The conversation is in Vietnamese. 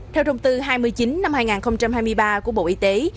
theo thông tư hai mươi chín năm hai nghìn hai mươi ba của bộ y tế